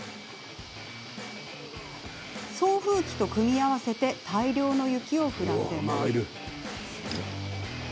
送風機と組み合わせて大量の雪を降らせています。